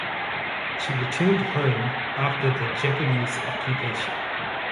She returned home after the Japanese occupation.